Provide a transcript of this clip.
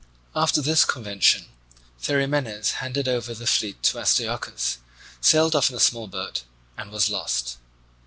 After this convention Therimenes handed over the fleet to Astyochus, sailed off in a small boat, and was lost.